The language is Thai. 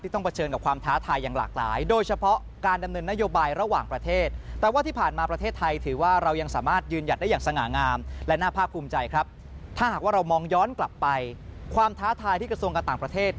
อธิบดีกรมศาลานิเทศและโฆษกระทรวงการต่างประเทศ